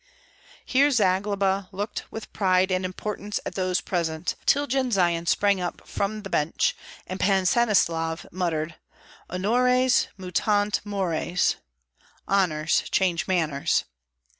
Here Zagloba looked with pride and importance at those present, till Jendzian sprang up from the bench, and Pan Stanislav muttered, "Honores mutant mores (honors change manners)!"